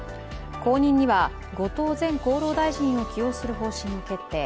後任には後藤前厚労大臣を起用する方針を決定。